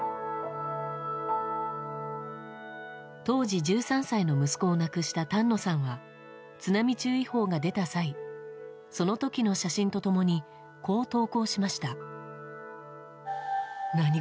当時１３歳の息子を亡くした丹野さんは津波注意報が出た際その時の写真と共にこう投稿しました。